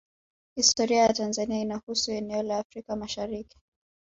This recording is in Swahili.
Historia ya Tanzania inahusu eneo la Afrika Mashariki